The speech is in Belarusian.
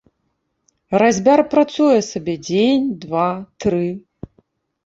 Разьбяр працуе сабе дзень, два, тры.